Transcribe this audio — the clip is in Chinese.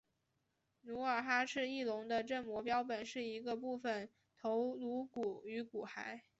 努尔哈赤翼龙的正模标本是一个部份头颅骨与骨骸。